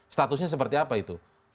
statusnya seperti apa itu